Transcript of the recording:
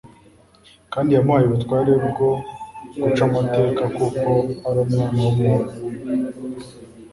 Kandi yamuhaye ubutware bwo guca amateka kuko ari Umwana w’Umuntu.